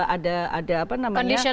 ada apa namanya